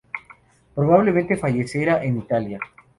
Probablemente falleciera en Italia".